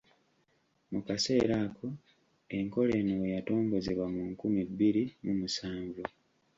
Mu kaseera ako enkola eno we yatongozebwa mu nkumi bbiri mu musanvu.